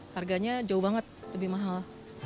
harganya jauh banget lebih mahal